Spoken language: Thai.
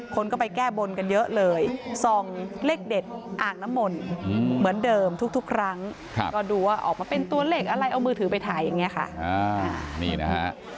คนก็ไปแก้บนกันเยอะเลยซองเล็กเด็ดอ่างน้ำมนต์เหมือนเดิมทุกครั้ง